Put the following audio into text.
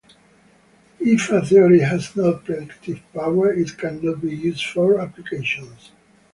If a theory has no predictive power, it cannot be used for applications.